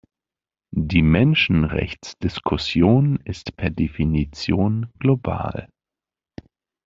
Die Menschenrechtsdiskussion ist per Definition global.